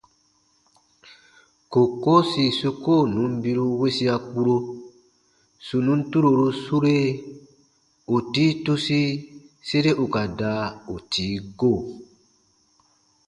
Kookoo sì su koo nùn biru wesia kpuro, sù nùn turoru sure, ù tii tusi sere ù ka da ù tii go.